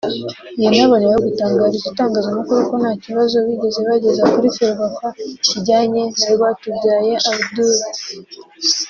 yanaboneyeho gutangariza itangazamakuru ko nta kibazo bigeze bageza muri Ferwafa kijyanye na Rwatubyaye Abdoul